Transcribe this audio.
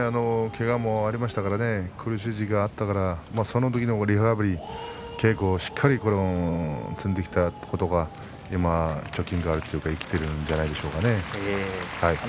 けがもありましたから苦しい時期があったからその時のリハビリ稽古をしっかり積んできたことが今、貯金があるというかできているんじゃないでしょうか。